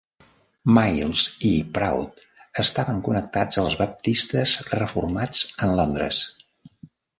Myles i Proud estaven connectats als Baptistes Reformats en Londres.